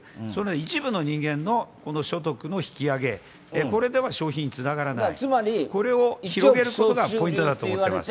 一部の人間の所得の引き上げ、これでは消費につながらない、これを広げることがポイントだと思います。